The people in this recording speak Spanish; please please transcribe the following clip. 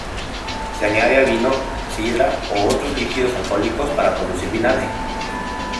Se añade al vino, sidra o otros líquidos alcohólicos para producir vinagre.